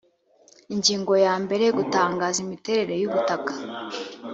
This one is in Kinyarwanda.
ingingo ya mbere gutangaza imiterere yubutaka